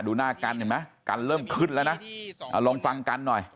ดูหน้ากันนะกใกล้เริ่มขึ้นแล้วนะลองฟังกันหน่อย